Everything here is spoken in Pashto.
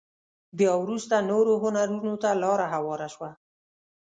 بيا وروسته نورو هنرونو ته لاره هواره شوه.